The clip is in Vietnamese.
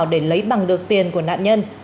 để lấy bằng được tiền của nạn nhân